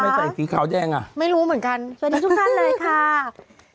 ใส่สีขาวแดงอ่ะไม่รู้เหมือนกันสวัสดีทุกท่านเลยค่ะ